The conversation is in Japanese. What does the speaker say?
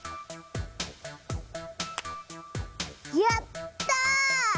やった！